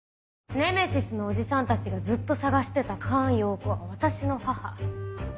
ネメシスのおじさんたちがずっと捜してた菅容子は私の母。